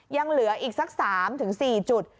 ยังเหลืออีกสัก๓๔จุด